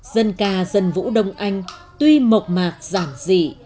dân ca dân vũ đông anh tuy mộc mạc giản dị